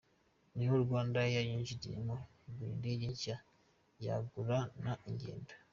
Niho RwandAir yinjiriyemo igura indege nshya yagura n’ingendo.